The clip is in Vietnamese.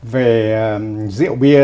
về rượu bia